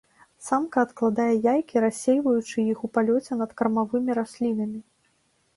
Самка адкладае яйкі рассейваючы іх у палёце над кармавымі раслінамі.